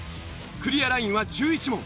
クリアラインは１１問。